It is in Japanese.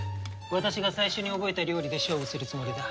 私が最初に覚えた料理で勝負するつもりだ。